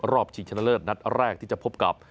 ชิงชนะเลิศนัดแรกที่จะพบกับ